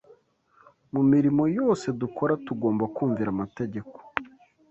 Mu mirimo yose dukora tugomba kumvira amategeko